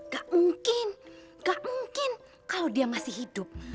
gak mungkin gak mungkin kalau dia masih hidup